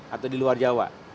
atau di luar jawa